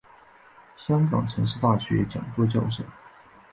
香港城市大学讲座教授。